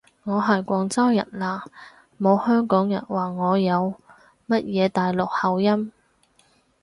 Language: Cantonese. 我係廣州人啦，冇香港人話過我有乜嘢大陸口音